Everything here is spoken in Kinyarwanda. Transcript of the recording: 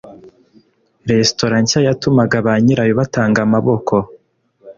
restaurant nshya yatumaga ba nyirayo batanga amaboko